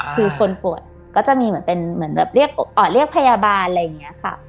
คือคนป่วยก็จะมีเหมือนเป็นเหมือนแบบเรียกพยาบาลอะไรอย่างนี้ค่ะ